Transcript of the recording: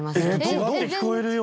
違って聞こえるよ。